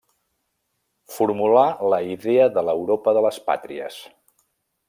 Formulà la idea de l'Europa de les pàtries.